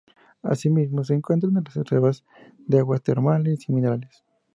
Asimismo se encuentran reservas de aguas termales y minerales.